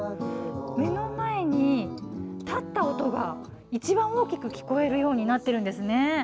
目の前に立った音がいちばん大きく聞こえるようになってるんですね。